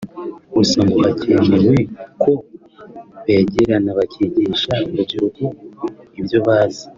Gusa ngo hakenewe ko begerana bakigisha urubyiruko ibyo bazi